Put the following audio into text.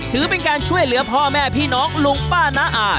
ถือเป็นการช่วยเหลือพ่อแม่พี่น้องลุงป้าน้าอา